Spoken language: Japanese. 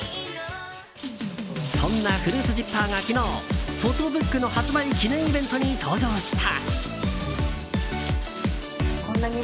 そんなＦＲＵＩＴＳＺＩＰＰＥＲが昨日、フォトブックの発売記念イベントに登場した。